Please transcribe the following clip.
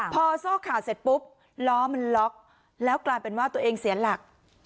พอโซ่ขาดเสร็จปุ๊บล้อมันล็อกแล้วกลายเป็นว่าตัวเองเสียหลัก